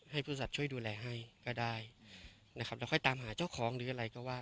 บริษัทช่วยดูแลให้ก็ได้นะครับแล้วค่อยตามหาเจ้าของหรืออะไรก็ว่า